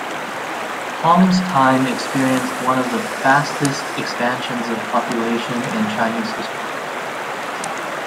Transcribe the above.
Hong's time experienced one of the fastest expansions of population in Chinese history.